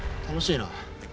楽しいな。